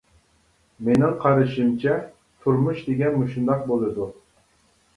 مېنىڭ قارىشىمچە تۇرمۇش دېگەن مۇشۇنداق بولىدۇ.